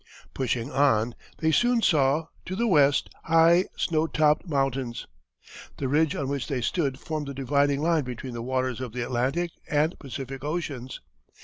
Pushing on they soon saw, to the west, high, snow topped mountains. "The ridge on which they stood formed the dividing line between the waters of the Atlantic and Pacific Oceans.